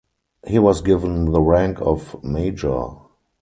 He was given the rank of major.